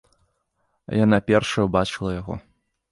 Яна першая ўбачыла яго.